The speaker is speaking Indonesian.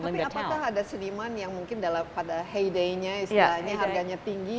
apakah ada seni yang mungkin pada hari ini harganya tinggi